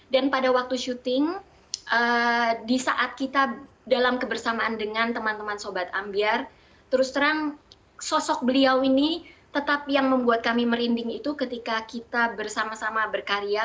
dan pada waktu syuting di saat kita dalam kebersamaan dengan teman teman sobat ambiar terus terang sosok beliau ini tetap yang membuat kami merinding itu ketika kita bersama sama berkarya